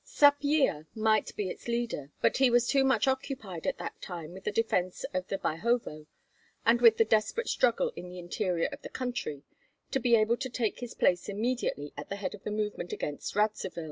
Sapyeha might be its leader, but he was too much occupied at that time with the defence of Byhovo and with the desperate struggle in the interior of the country, to be able to take his place immediately at the head of the movement against Radzivill.